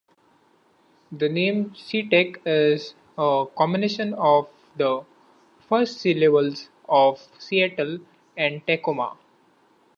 The name "SeaTac" is a combination of the first syllables of "Seattle" and "Tacoma".